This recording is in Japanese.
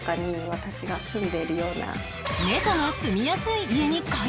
猫が住みやすい家に改造？